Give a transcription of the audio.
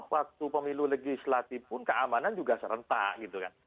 waktu pemilu legislatif pun keamanan juga serentak gitu kan